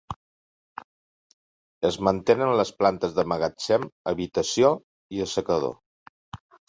Es mantenen les plantes de magatzem, habitació i assecador.